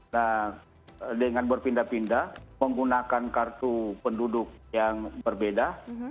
nah dengan berpindah pindah menggunakan kartu penduduk yang berbeda